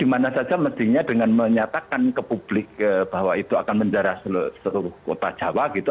maksudnya dengan menyatakan ke publik bahwa itu akan menjara seluruh kota jawa gitu